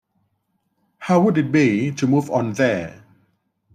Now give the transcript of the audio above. How would it be to move on there?